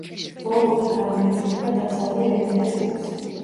ვოლოფი განეკუთვნება დასავლურ ენათა ჯგუფს.